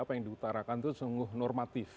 apa yang diutarakan itu sungguh normatif